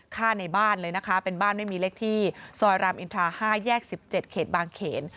ฆ่าในบ้านเลยนะคะเป็นบ้านไม่มีเลขที่ซอยรามอินทรา๕แยก๑๗เขตบางเขน